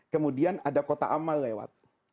kemudian ada kota amal lewat